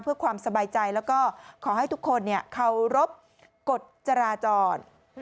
เพื่อความสบายใจแล้วก็ขอให้ทุกคนเคารพกฎจราจร